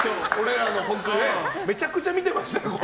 めちゃくちゃ見てましたよ。